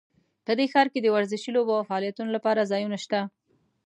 په دې ښار کې د ورزشي لوبو او فعالیتونو لپاره ځایونه شته